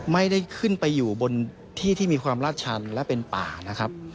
ไม่ได้ขึ้นไปอยู่บนที่ที่มีความลาดชันและเป็นป่านะครับ